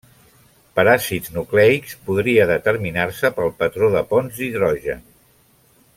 Per àcids nucleics, podria determinar-se pel patró de ponts d'hidrogen.